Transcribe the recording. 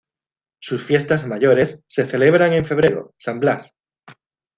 Sus fiestas mayores se celebran en febrero, San Blas.